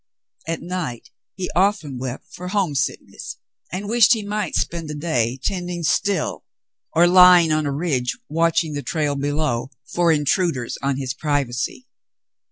At night he often wept, for homesickness, and wished he might spend a day tending still, or lying on a ridge watching the trail below for intruders on his privacy.